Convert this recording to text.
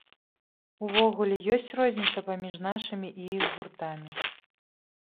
Увогуле, ёсць розніца паміж нашымі і іх гуртамі?